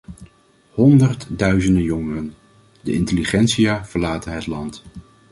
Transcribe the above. Honderdduizenden jongeren - de intelligentsia - verlaten het land.